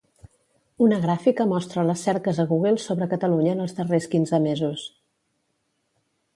Una gràfica mostra les cerques a Google sobre Catalunya en els darrers quinze mesos.